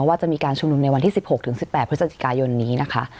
ว่าจะมีการชุมนุมในวันที่๑๖๑๘พฤศจิกายนนี้นะคะ